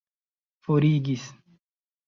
forigis